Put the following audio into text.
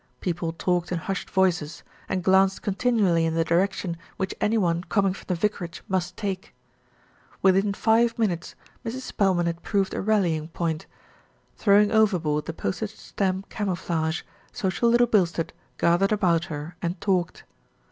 People talked in hushed voices, and glanced continually in the direction which any one com ing from the vicarage must take. Within five minutes, Mrs. Spelman had proved a rallying point. Throwing overboard the postage stamp camouflage, social Little Bilstead gathered about her and talked.